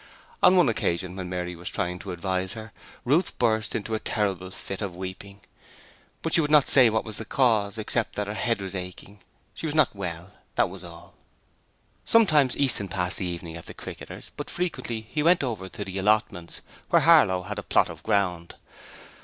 On one occasion when Mary was trying to advise her, Ruth burst out into a terrible fit of weeping, but she would not say what was the cause except that her head was aching she was not well, that was all. Sometimes Easton passed the evening at the Cricketers but frequently he went over to the allotments, where Harlow had a plot of ground.